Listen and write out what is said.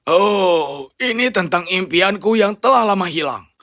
oh ini tentang impianku yang telah lama hilang